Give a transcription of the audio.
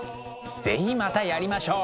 是非またやりましょう！